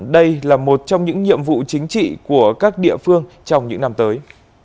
đây là một trong những nhiệm vụ chính trị của các địa phương trong những năm tới